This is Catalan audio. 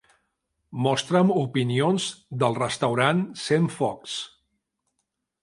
Mostra'm opinions del restaurant Centfocs.